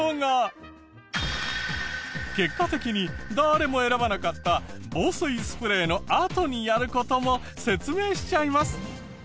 結果的に誰も選ばなかった防水スプレーのあとにやる事も説明しちゃいます。